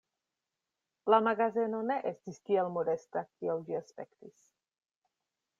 La magazeno ne estis tiel modesta, kiel ĝi aspektis.